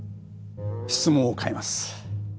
質問を変えます。